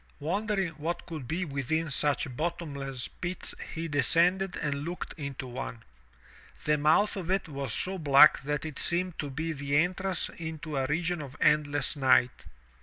Wonder ing what could be within such bottomless pits he descended and looked into one. The mouth of it was so black that it seemed to be the entrance into a region of endless night.